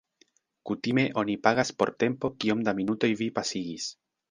Kutime oni pagas por tempo kiom da minutoj vi pasigis.